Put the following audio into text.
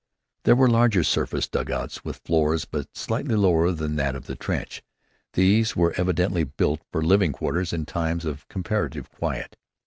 There were larger surface dugouts with floors but slightly lower than that of the trench. These were evidently built for living quarters in times of comparative quiet.